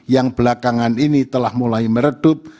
yang belakangan ini telah mulai meredup